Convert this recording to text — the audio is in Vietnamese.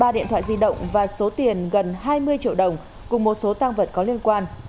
ba điện thoại di động và số tiền gần hai mươi triệu đồng cùng một số tăng vật có liên quan